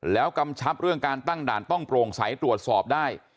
แล้วกำชับเรื่องการตั้งด่านต้องโปร่งใสตรวจสอบได้